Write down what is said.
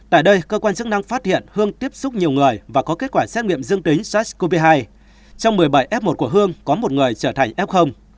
tại đây cơ quan chức năng phát hiện hương tiếp xúc nhiều người và có kết quả xét nghiệm dương tính sars cov hai trong một mươi bảy f một của hương có một người trở thành f